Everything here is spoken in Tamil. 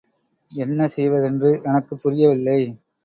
என்ன செய்வதென்று எனக்குப் புரியவில்லை.